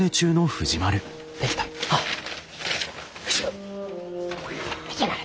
藤丸。